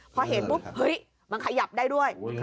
พอเห็นปุ๊บเฮ้ยมันขยับได้ด้วย